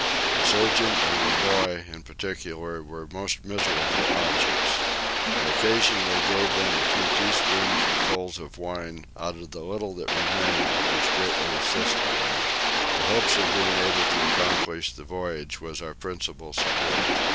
The surgeon and Lebogue, in particular, were most miserable objects. I occasionally gave them a few teaspoonfuls of wine out of the little that remained, which greatly assisted them. The hopes of being able to accomplish the voyage was our principal support.